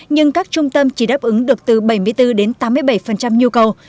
nhưng các trung tâm chỉ đáp ứng được từ bảy mươi bốn đến tám mươi bảy nhu cầu